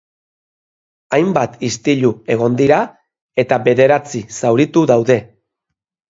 Hainbat istilu egon dira eta bederatzi zauritu daude.